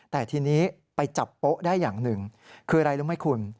แต่ทีนี้ไปจับโป๊ะได้อย่างหนึ่งคืออะไรรู้ไหมคุณ